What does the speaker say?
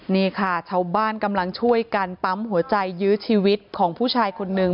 นี่ค่ะชาวบ้านกำลังช่วยกันปั๊มหัวใจยื้อชีวิตของผู้ชายคนนึง